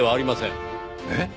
えっ？